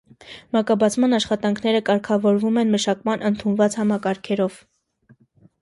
Մակաբացման աշխատանքները կարգավորվում են մշակման ընդունված համակարգերով։